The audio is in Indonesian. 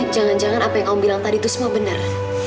jangan jangan apa yang om bilang tadi itu semua benar